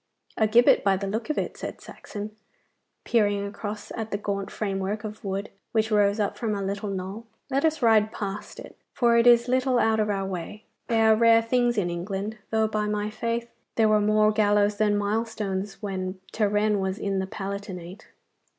'A gibbet, by the look of it,' said Saxon, peering across at the gaunt framework of wood, which rose up from a little knoll. 'Let us ride past it, for it is little out of our way. They are rare things in England, though by my faith there were more gallows than milestones when Turenne was in the Palatinate.